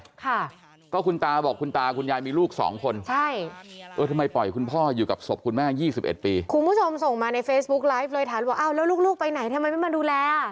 ในเฟซบุ๊คไลฟ์เลยถามว่าอ้าวแล้วลูกไปไหนทำไมไม่มาดูแล